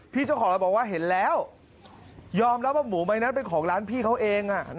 เจ้าของร้านบอกว่าเห็นแล้วยอมรับว่าหมูใบนั้นเป็นของร้านพี่เขาเอง